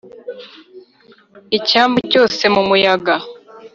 icyambu cyose mumuyaga